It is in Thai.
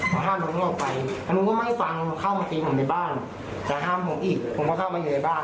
คนนู้นก็ไม่ฟังเข้ามาเตรียมผมในบ้านแต่ห้ามผมอีกผมก็เข้ามาอยู่ในบ้าน